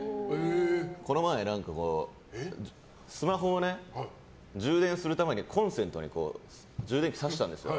この前、スマホを充電するためにコンセントを挿したんです。